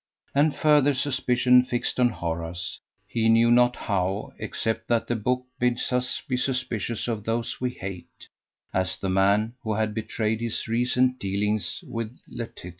And further, suspicion fixed on Horace (he knew not how, except that The Book bids us be suspicious of those we hate) as the man who had betrayed his recent dealings with Laetitia.